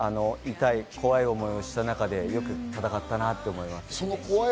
本当に痛い、怖い思いをした中でよく戦ったなと思います。